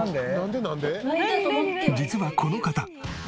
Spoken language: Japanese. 実はこの方。